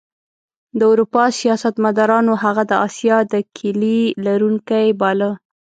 د اروپا سیاستمدارانو هغه د اسیا د کیلي لرونکی باله.